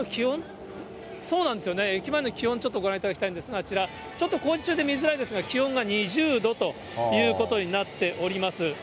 駅前の気温、ちょっとご覧いただきたいんですが、あちら、ちょっと工事中で見づらいですが、気温が２０度ということになっております。